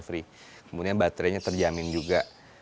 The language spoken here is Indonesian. kemudian baterainya terjamin juga